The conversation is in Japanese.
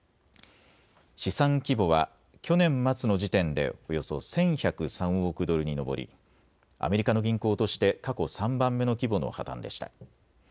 資産規模は去年末の時点でおよそ１１０３億ドルに上りアメリカの銀行として過去３番目の規模の破綻でした。